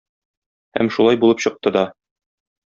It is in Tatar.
Һәм шулай булып чыкты да.